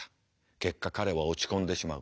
結果彼は落ち込んでしまう。